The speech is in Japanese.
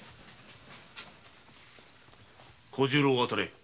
小十郎を当たれ。